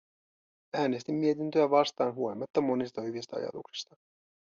Äänestin mietintöä vastaan huolimatta monista hyvistä ajatuksista.